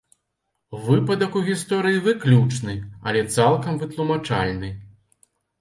Выпадак у гісторыі выключны, але цалкам вытлумачальны.